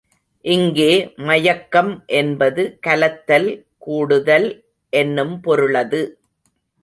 இங்கே மயக்கம் என்பது கலத்தல் கூடுதல் என்னும் பொருளது.